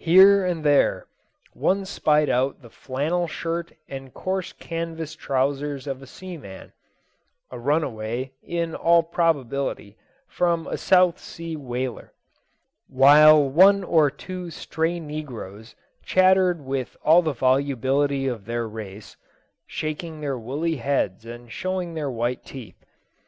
Here, and there one spied out the flannel shirt and coarse canvas trousers of a seaman a runaway, in all probability, from a South Sea whaler; while one or two stray negroes chattered with all the volubility of their race, shaking their woolly heads and showing their white teeth.